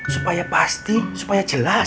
supaya pasti supaya jelas